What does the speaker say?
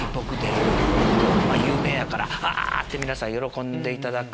まぁ有名やから「わ！」って皆さん喜んでいただく。